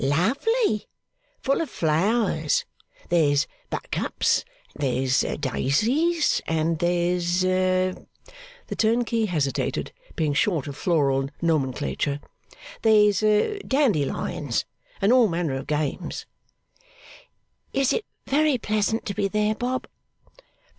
'Lovely. Full of flowers. There's buttercups, and there's daisies, and there's' the turnkey hesitated, being short of floral nomenclature 'there's dandelions, and all manner of games.' 'Is it very pleasant to be there, Bob?